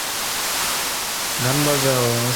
গান বাজাও, আমার সোনা বন্ধুরে তুমি।